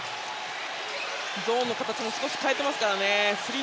ゾーンの形も少し変えています。